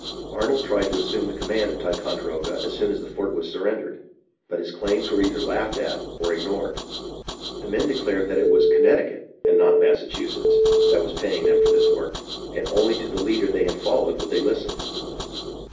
Arnold tried to assume the command of Ticonderoga as soon as the fort was surrendered, but his claims were either laughed at or ignored. The men declared that it was Con necticut, and not Massachusetts, that was paying them for this work, and only to the leader they had followed would they listen.